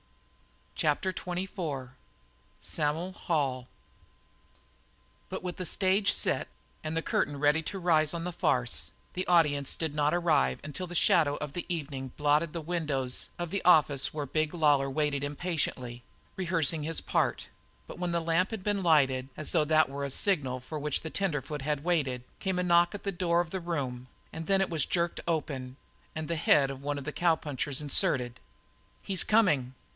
CHAPTER XXIV "SAM'L HALL" But with the stage set and the curtain ready to rise on the farce, the audience did not arrive until the shadow of the evening blotted the windows of the office where big Lawlor waited impatiently, rehearsing his part; but when the lamp had been lighted, as though that were a signal for which the tenderfoot had waited, came a knock at the door of the room, and then it was jerked open and the head of one of the cowpunchers was inserted. "He's coming!"